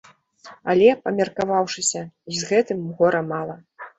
Але, памеркаваўшыся, й з гэтым гора мала.